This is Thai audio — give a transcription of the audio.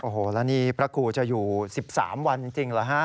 โอ้โหแล้วนี่พระครูจะอยู่๑๓วันจริงเหรอฮะ